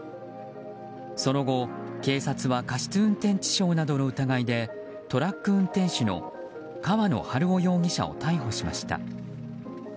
その後、警察は過失運転致傷などの疑いでトラック運転手の川野晴夫容疑者を逮捕しました。